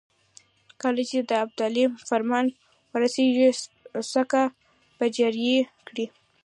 کله چې د ابدالي فرمان ورسېږي سکه به جاري کړي.